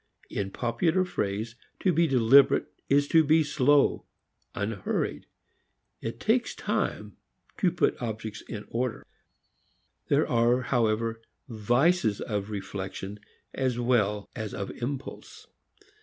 In popular phrase, to be deliberate is to be slow, unhurried. It takes time to put objects in order. There are however vices of reflection as well as of impulse.